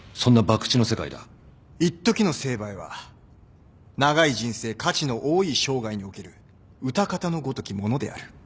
「いっときの成敗は長い人生価値の多い生涯におけるうたかたのごときものである」